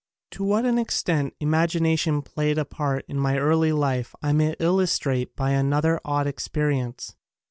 To what an extent imagination played a part in my early life I may illustrate by another odd experience.